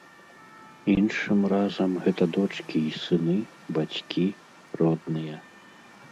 Іншым разам гэта дочкі і сыны, бацькі, родныя.